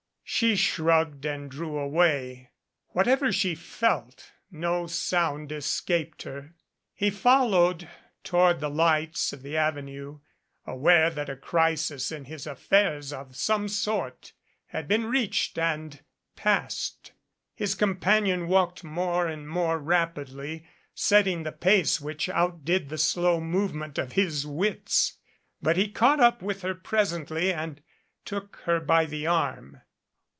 She shrugged and drew away. Whatever she felt, no sound escaped her. He followed toward the lights of the Avenue, aware that a crisis in his affairs of some sort had been reached and passed. His companion walked more and more rapidly, setting the pace which outdid the slow movement of his wits. But he caught up with her presently and took her by the arm.